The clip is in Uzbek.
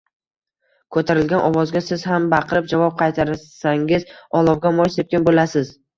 Ko‘tarilgan ovozga siz ham baqirib javob qaytarsangiz, olovga moy sepgan bo‘lasiz.